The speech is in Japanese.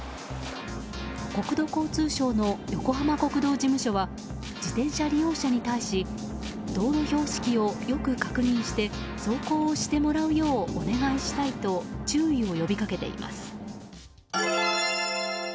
国土交通省の横浜国道事務所は自転車利用者に対し道路標識をよく確認して走行をしてもらうようお願いしたいと注意を呼び掛けています。